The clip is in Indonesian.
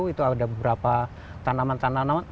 itu ada beberapa tanaman tanaman